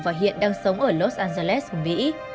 và hiện đang sống ở los angeles mỹ